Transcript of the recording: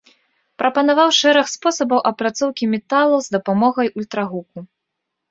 Прапанаваў шэраг спосабаў апрацоўкі металаў з дапамогай ультрагуку.